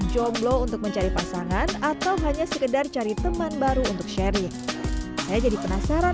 jomblo untuk mencari pasangan atau hanya sekedar cari teman baru untuk sharing saya jadi penasaran